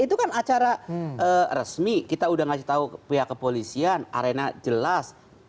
itu kan acara resmi kita udah ngasih tahu pihak kepolisian arena jelas